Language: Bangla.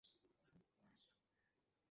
তাদেরকে ইসলাম কবুলের একটি শেষ সুযোগ দিলে হয় না?